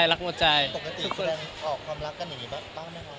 ปกติแสดงออกความรักกันอย่างนี้ปะ